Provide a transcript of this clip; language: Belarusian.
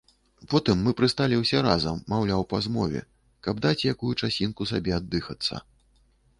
Потым мы прысталі ўсе разам, маўляў па змове, каб даць якую часінку сабе аддыхацца.